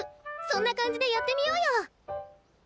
そんな感じでやってみようよ！